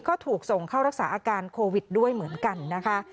ก็ถูกส่งเข้ารักษาอาการโควิดด้วยเหมือนกันนะคะ